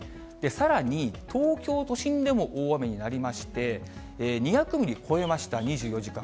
さらに、東京都心でも大雨になりまして、２００ミリ超えました、２４時間。